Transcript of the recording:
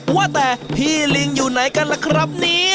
ว่าแต่พี่ลิงอยู่ไหนกันล่ะครับเนี่ย